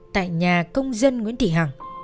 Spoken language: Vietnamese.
tại nhà công dân nguyễn thị hằng